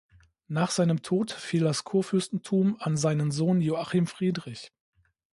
Nach seinem Tode fiel das Kurfürstentum an seinen Sohn Joachim Friedrich.